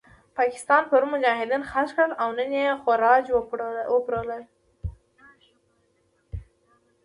پاکستان پرون مجاهدین خرڅ کړل او نن یې خوارج وپلورل.